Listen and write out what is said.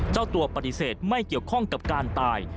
เจ้าตัวปฏิเสธไม่เกี่ยวข้องกับการตาย